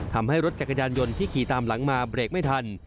ทำให้รถจักรยานยนต์ที่ขี่ตามหลังมาเบรกไม่ทัน